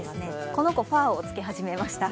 この子、ファーを着け始めました。